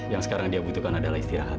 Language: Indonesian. yang sekarang dia butuhkan adalah istirahat